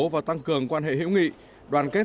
và tăng cường quan hệ hiểu nghị đoàn kết